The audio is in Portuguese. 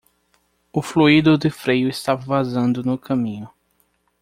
O fluido de freio estava vazando no caminho.